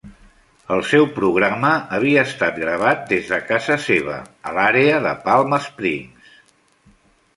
El seu programa havia estat gravat des de casa seva, a l'àrea de Palm Springs.